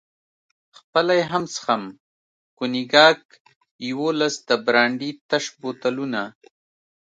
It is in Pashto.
خپله یې هم څښم، کونیګاک، یوولس د برانډي تش بوتلونه.